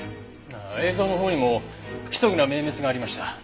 映像のほうにも不規則な明滅がありました。